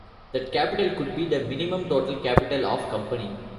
That capital could be the minimum total capital of company.